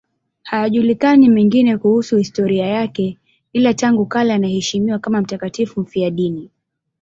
Hayajulikani mengine kuhusu historia yake, ila tangu kale anaheshimiwa kama mtakatifu mfiadini.